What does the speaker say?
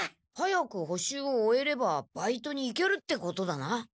早く補習を終えればバイトに行けるってことだな。